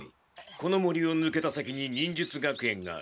この森をぬけた先に忍術学園がある。